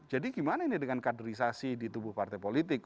jadi gimana ini dengan kaderisasi di tubuh partai politik